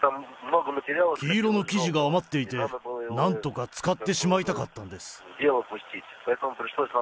黄色の生地が余っていて、なんとか使ってしまいたかったんです。